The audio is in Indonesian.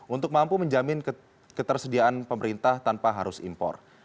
untuk mampu menjamin ketersediaan pemerintah tanpa harus impor